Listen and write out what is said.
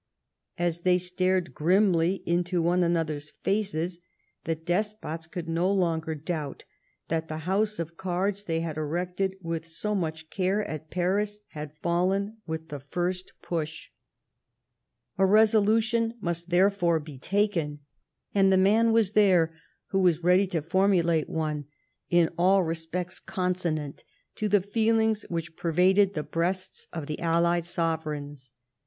As they stared grimly into one another's faces the despots could no longer doubt that the house of cards they had erected with so much care at Paris had fallen with tiie first push. 138 LIFE OF PBINCE METTEBNICE. A resolution must, therefore, be taken. And the man was there who w as ready to formulate one in all respects consonant to the feelings which pervaded the breasts of the allied sovereigns.